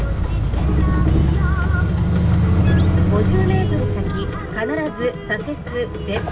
「５０メートル先必ず左折です」。